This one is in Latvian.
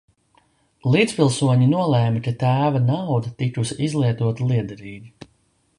Līdzpilsoņi nolēma, ka tēva nauda tikusi izlietota lietderīgi.